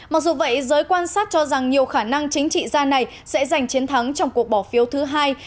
mặc dù vậy giới quan sát cho rằng nhiều khả năng chính trị gia này sẽ giành chiến thắng trong cuộc bỏ phiếu thứ hai